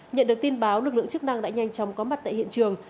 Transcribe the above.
nhận được tin báo lực lượng chức năng đã nhanh chóng có mặt tại hiện trường